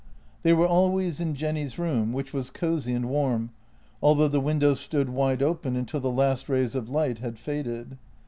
They were always in Jenny's room, which was cosy and warm, although the windows stood wide open until the last rays of light had faded.